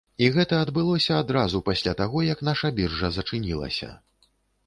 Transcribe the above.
І гэта адбылося адразу пасля таго, як наша біржа зачынілася.